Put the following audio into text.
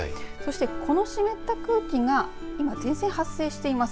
この湿った空気が今前線発生しています。